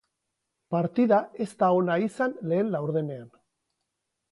Partida ez da ona izan lehen laurdenean.